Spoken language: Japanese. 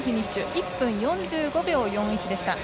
１分４５秒４１でした。